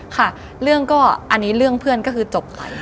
ค่ะเรื่องก็อันนี้เรื่องเพื่อนก็คือจบไป